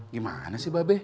gimana sih ba be